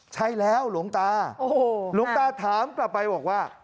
ใช่แล้วหลวงตาหลวงตาถามกลับไปบอกว่า